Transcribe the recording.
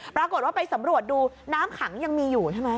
ปรากฏว่าไปสำรวจดูน้ำขังยังมีอยู่ใช่ไหม